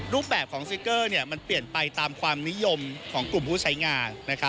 รูปแบบของสติ๊กเกอร์มันเปลี่ยนไปตามความนิยมของกลุ่มผู้ใช้งาน